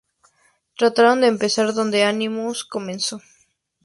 Trataron de empezar donde Annihilus comenzó.